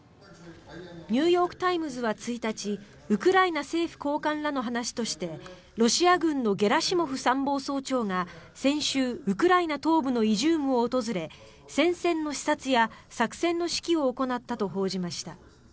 ニューヨーク・タイムズは１日ウクライナ政府高官らの話としてロシア軍のゲラシモフ参謀総長が先週、ウクライナ東部のイジュームを訪れ戦線の視察や作戦の指揮を行ったと報じました。